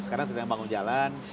sekarang sedang membangun jalan